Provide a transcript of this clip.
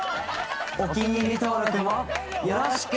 お気に入り登録もよろしく！